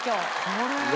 これはね。